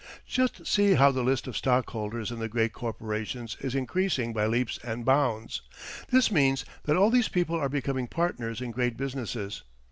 Just see how the list of stockholders in the great corporations is increasing by leaps and bounds. This means that all these people are becoming partners in great businesses.